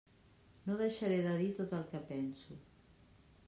No deixaré de dir tot el que penso.